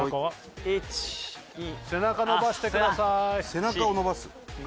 背中を伸ばす？